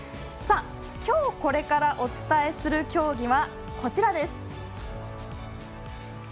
今日これからお伝えする競技はこちらです。